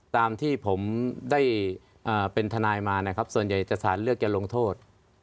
ตามที่ผมได้เป็นทนายมานะครับส่วนใหญ่จะสารเลือกจะลงโทษ